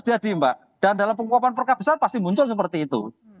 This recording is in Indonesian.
jadi mbak dan dalam penguapan perkembangan besar pasti muncul seperti itu